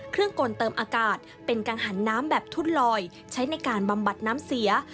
กลเติมอากาศเป็นกังหันน้ำแบบทุ่นลอยใช้ในการบำบัดน้ำเสีย